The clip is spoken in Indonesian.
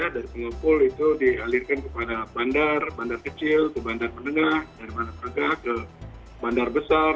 dari pengepul itu dialirkan kepada bandar bandar kecil ke bandar menengah dari manapaga ke bandar besar